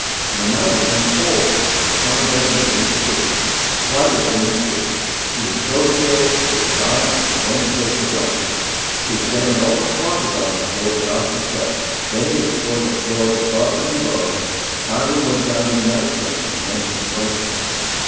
In the night, it turned cold, and the summer bedding was insufficient. Swigert couldn't sleep, he was so chilled, so he got up, and went in search of blankets. He examined all the closets on that floor, without success; then he explored the floors above and below, and finally went down to the night clerk, and demanded some blankets of him.